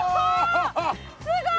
すごい！